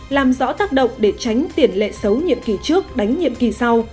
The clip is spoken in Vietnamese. làm rõ tác động để tránh tiền lệ xấu nhiệm kỳ trước đánh nhiệm kỳ sau